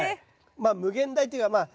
まあ無限大というかえ！